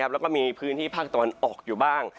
แล้วก็มีพื้นที่ภาคตะวันออกอยู่บ้าง